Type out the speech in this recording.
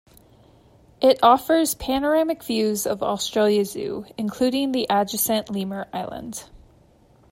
It offers panoramic views of Australia Zoo, including the adjacent lemur island.